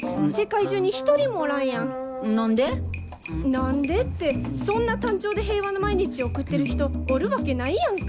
何でってそんな単調で平和な毎日送ってる人おるわけないやんか。